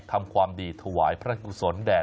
ทำความดีถวายพระกุศลแด่